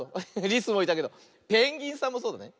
リスもいたけどペンギンさんもそうだね。